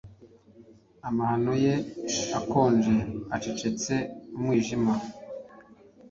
Amahano ye akonje acecetse, umwijima